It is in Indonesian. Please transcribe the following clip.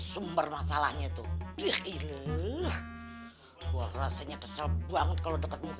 sumber masalahnya tuh dihileh gua rasanya kesel